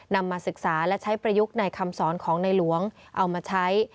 มาศึกษาและใช้ประยุกต์ในคำสอนของในหลวงเอามาใช้